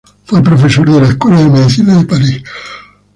Fue profesor de la escuela de medicina de París.